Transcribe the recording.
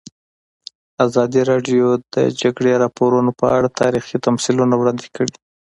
ازادي راډیو د د جګړې راپورونه په اړه تاریخي تمثیلونه وړاندې کړي.